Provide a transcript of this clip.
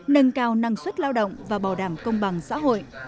nâng cao năng suất lao động và bảo đảm công bằng xã hội